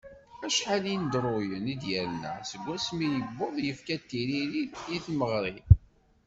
Acḥal n yineḍruyen i d-yerna d wasmi i yuweḍ yefka-d tiririt i yimeɣri.